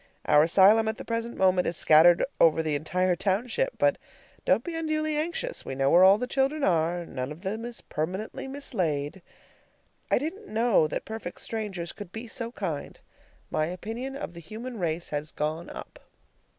Our asylum at the present moment is scattered over the entire township; but don't be unduly anxious. We know where all the children are. None of them is permanently mislaid. I didn't know that perfect strangers could be so kind. My opinion of the human race has gone up.